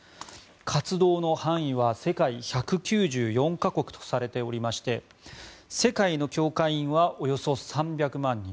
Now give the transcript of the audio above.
活動の範囲は世界１９４か国とされておりまして世界の教会員はおよそ３００万人。